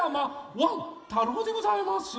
ワン太郎でございます。